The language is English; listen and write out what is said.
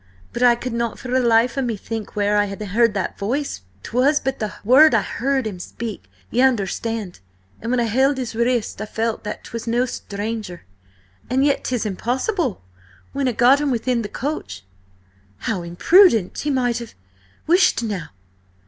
"But I could not for the life of me think where I had heard that voice: 'twas but the one word I heard him speak, ye understand, and when I held his wrists I felt that 'twas no stranger. And yet 'tis impossible. When I got him within the coach—" "How imprudent! He might have—" "Whisht now!